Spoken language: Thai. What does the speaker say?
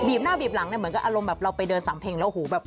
บีบหน้าบีบหลังเหมือนกับอารมณ์แบบเราไปเดินสำเพ็งแล้วโอ้โฮ